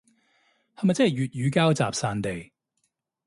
係咪即係粵語膠集散地